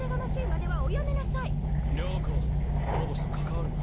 了子諸星と関わるな。